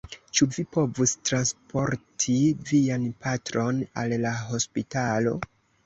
Ĉu vi povus transporti vian patron al la hospitalo?